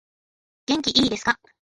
元気いですか